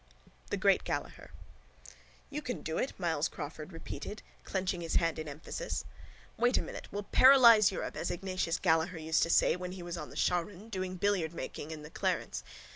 THE GREAT GALLAHER —You can do it, Myles Crawford repeated, clenching his hand in emphasis. Wait a minute. We'll paralyse Europe as Ignatius Gallaher used to say when he was on the shaughraun, doing billiardmarking in the Clarence.